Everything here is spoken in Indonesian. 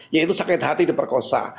yaitu sakit hati diperkosa